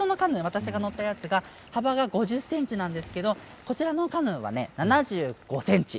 私が乗ったやつが幅が５０ｃｍなんですけれどもこちらのカヌーは７５ｃｍ。